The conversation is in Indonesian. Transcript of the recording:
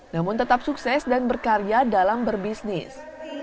namun tetap sukses dan berkarya dalam berbisnis